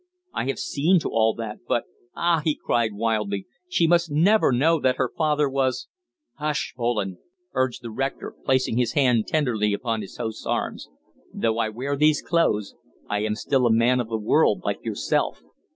I have seen to all that, but ah!" he cried wildly, "she must never know that her father was " "Hush, Poland!" urged the rector, placing his hand tenderly upon his host's arm. "Though I wear these clothes, I am still a man of the world like yourself.